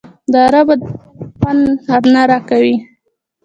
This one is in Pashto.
د عربو دا چلند خوند نه راکوي.